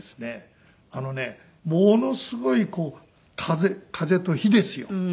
あのねものすごい風と火ですよ。